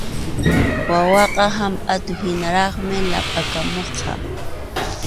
Wawaqa hampʼatuhinaraqmi laqʼakamusqa.